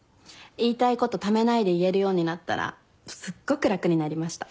言いたいことためないで言えるようになったらすっごく楽になりました。